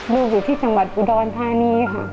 ลูกอยู่ที่จังหวัดอุดร๕นี้ค่ะ